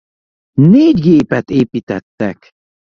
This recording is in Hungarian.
Négy gépet építettek.